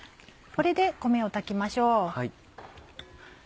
これで米を炊きましょう。